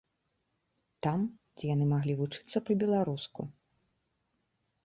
Там, дзе яны маглі вучыцца па-беларуску.